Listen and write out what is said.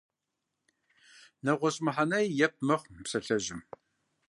НэгъуэщӀ мыхьэнэи епт мэхъу мы псалъэжьым.